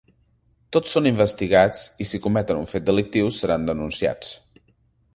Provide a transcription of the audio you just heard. Tots són investigats i si cometen un fet delictiu seran denunciats.